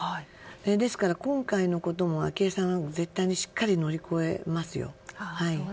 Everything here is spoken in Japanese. ですから、今回のことも昭恵さん絶対しっかり乗り越えますよ。